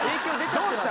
どうした？